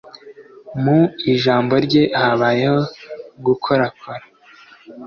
Mu ijambo rye habayeho gukorakora.